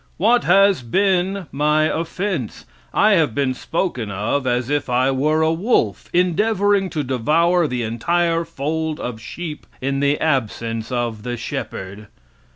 "What has been my offense? I have been spoken of as if I were a wolf endeavoring to devour the entire fold of sheep in the absence of the shepherd."